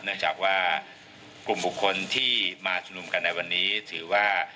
เนื่องจากว่ากลุ่มบุคคลที่มาชุมนุมกันในวันนี้ถือว่า